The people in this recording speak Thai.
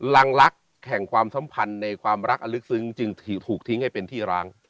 ลังรักแห่งความสัมพันธ์ในความรักอลึกซึ้งจึงถูกทิ้งให้เป็นที่ร้าง